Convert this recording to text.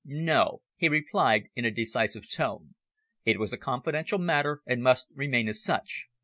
"No," he replied in a decisive tone, "it was a confidential matter and must remain as such.